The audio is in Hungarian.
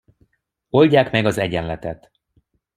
Oldják meg az egyenletet.